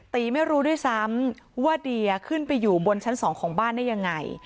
ไม่รู้ด้วยซ้ำว่าเดียขึ้นไปอยู่บนชั้น๒ของบ้านได้ยังไง